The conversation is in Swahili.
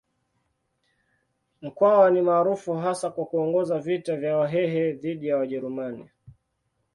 Mkwawa ni maarufu hasa kwa kuongoza vita vya Wahehe dhidi ya Wajerumani.